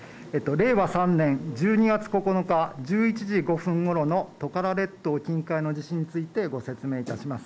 令和３年１２月９日１１時５分ごろのトカラ列島近海での地震についてご説明いたします。